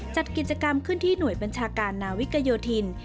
จัดกิจกรรมขึ้นที่หน่วยบัญชาการนาวิกโยธิน